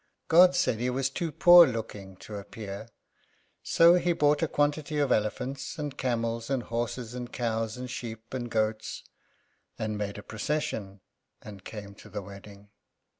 God said he was too poor looking to appear, so he bought a quantity of elephants, and camels, and horses, and cows, and sheep, and goats, and made a procession, and came to the wedding.